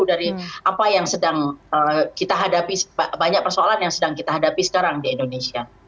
dari apa yang sedang kita hadapi banyak persoalan yang sedang kita hadapi sekarang di indonesia